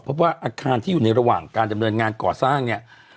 พบว่าอาคารที่อยู่ในระหว่างการดำเนินงานก่อสร้างเนี่ย